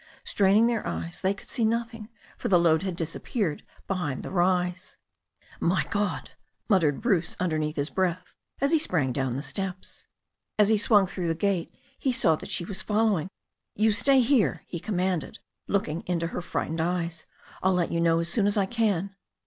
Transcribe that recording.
Straining their eyes, they could see nothing, for the load had disappeared behind the rise. "My God I" muttered Bruce underneath his breath, as he .sprang down the sle^s. THE STORY OP A NEW ZEALAND RIVER 399 As he swung through the gate he saw that she was fol lowing. "You stay here," he commanded, looking into her fright ened eyes. "I'll let you know as soon as I can."